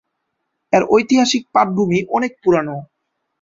এর ঐতিহাসিক পটভূমি অনেক পুরানো।